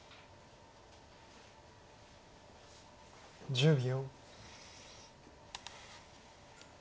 １０秒。